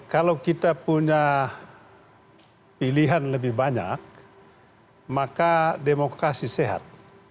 kalau kita punya pilihan lebih banyak maka demokrasi sehat